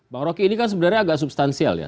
bang roky ini kan sebenarnya agak substansial ya